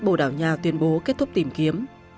bồ đào nha tuyên bố kết thúc tìm kiếm